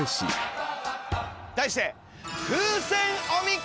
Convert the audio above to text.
題して。